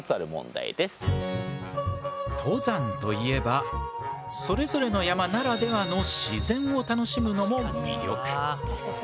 登山といえばそれぞれの山ならではの自然を楽しむのも魅力。